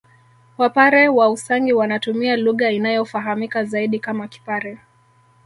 Wapare wa Usangi wanatumia lugha inayofahamika zaidi kama Kipare